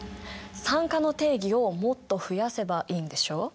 酸化の定義をもっと増やせばいいんでしょ？